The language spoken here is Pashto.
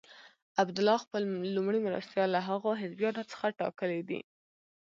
عبدالله خپل لومړی مرستیال له هغو حزبیانو څخه ټاکلی دی.